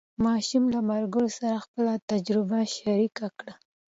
ماشوم له ملګرو سره خپله تجربه شریکه کړه